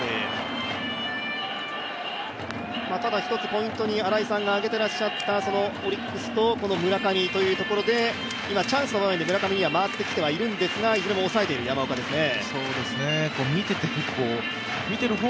ただ１つポイントに新井さんが挙げていらっしゃったオリックスと村上というところでチャンスの場面で村上には回ってきてはいるんですが、いずれも抑えている山岡ですね。